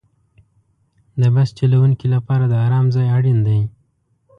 د بس چلوونکي لپاره د آرام ځای اړین دی.